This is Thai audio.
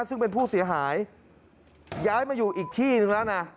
ซึ่งเป็นผู้เสียหายย้ายมาอยู่อีกที่นึงแล้วนะ